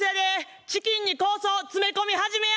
チキンに香草詰め込み始めや。